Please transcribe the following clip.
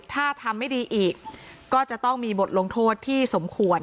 ถ้าทำไม่ดีอีกก็จะต้องมีบทลงโทษที่สมควร